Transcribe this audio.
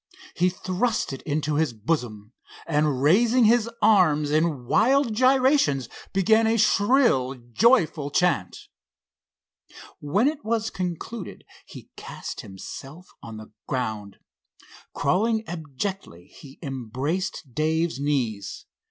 He thrust it into his bosom, and raising his arms in wild gyrations began a shrill, joyful chant. When it was concluded he cast himself on the ground. Crawling abjectly he embraced Dave's knees.